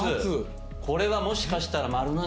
これはもしかしたら「○」なんじゃ？